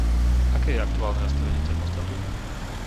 Aké je aktuálne nastavenie termostatu?